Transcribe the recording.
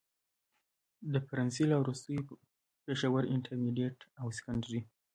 د پرنسپل او وروستو پيښورانټرميډيټ او سکنډري